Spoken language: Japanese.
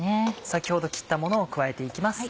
先ほど切ったものを加えて行きます。